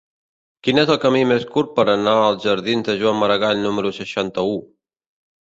Quin és el camí més curt per anar als jardins de Joan Maragall número seixanta-u?